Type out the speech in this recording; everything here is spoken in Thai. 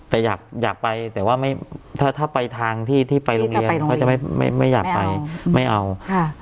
แต่อยากอยากไปแต่ว่าไม่ถ้าถ้าไปทางที่ที่ไปโรงเรียนเขาจะไม่ไม่อยากไปไม่เอาค่ะ